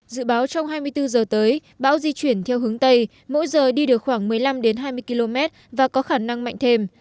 dự báo trong hai mươi bốn giờ tới bão di chuyển theo hướng tây mỗi giờ đi được khoảng một mươi năm hai mươi km và có khả năng mạnh thêm